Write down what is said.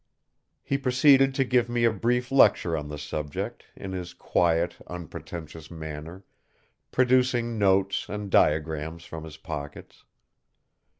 He proceeded to give me a brief lecture on the subject, in his quiet, unpretentious manner; producing notes and diagrams from his pockets.